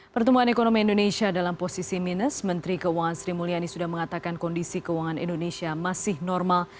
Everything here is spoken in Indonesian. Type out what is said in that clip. pertumbuhan ekonomi indonesia dalam posisi minus menteri keuangan sri mulyani sudah mengatakan kondisi keuangan indonesia masih normal